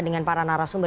dengan para narasumber